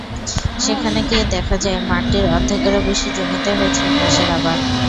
সেখানে গিয়ে দেখা যায়, মাঠটির অর্ধেকেরও বেশি জমিতে হয়েছে ঘাসের আবাদ।